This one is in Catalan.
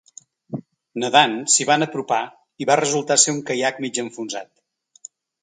Nedant, s’hi van apropar i va resultar ser un caiac mig enfonsat.